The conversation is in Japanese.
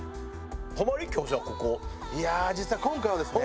いやあ実は今回はですね。